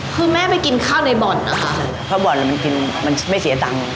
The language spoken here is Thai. คือแม่ไปกินข้าวในบ่อนนะคะเพราะบ่อนมันกินมันไม่เสียตังค์